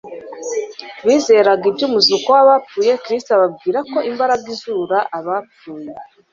bizeraga iby'umuzuko w'abapfuye. Kristo ababwirako imbaraga izura abapfuye